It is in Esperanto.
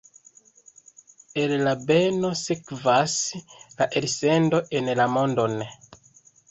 El la beno sekvas la elsendo en la mondon.